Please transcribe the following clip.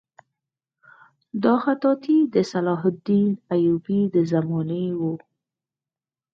دا خطاطي د صلاح الدین ایوبي د زمانې وه.